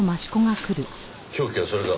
凶器はそれか？